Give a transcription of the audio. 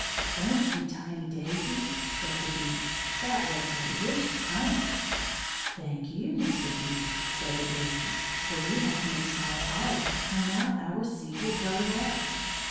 "Thank you, tiny daisies," said the Bee. "That was delicious honey." "Thank you, Mr. Bee," said the Daisies, "for you have mixed our pollen, and now our seed will grow well."